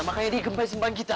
makanya dia gempes sembang kita